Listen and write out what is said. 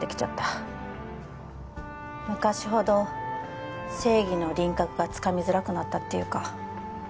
昔ほど正義の輪郭がつかみづらくなったっていうか。